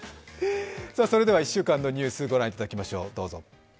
それでは１週間のニュース御覧いただきましょう。